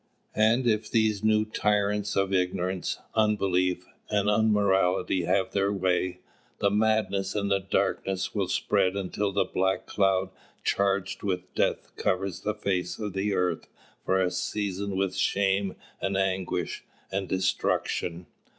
And if these new tyrants of ignorance, unbelief, and unmorality have their way, the madness and the darkness will spread until the black cloud charged with death covers the face of the earth for a season with shame and anguish and destruction.